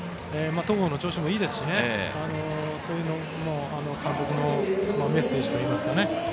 戸郷の調子もいいですから監督のメッセージといいますか。